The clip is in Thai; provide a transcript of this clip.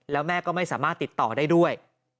แล้วแม่ก็ไม่สามารถติดต่อได้ด้วย